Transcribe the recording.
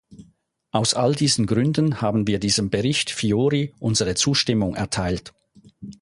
Aus all diesen Gründen haben wir diesem Bericht Fiori unsere Zustimmung erteilt.